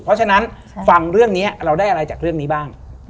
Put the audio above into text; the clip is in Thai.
เพราะฉะนั้นฟังเรื่องนี้เราได้อะไรจากเรื่องนี้บ้าง